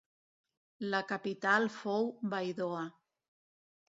La capital fou Baidoa.